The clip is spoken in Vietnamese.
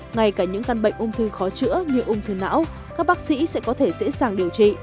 ngay cả những căn bệnh ung thư khó chữa như ung thư não các bác sĩ sẽ có thể dễ dàng điều trị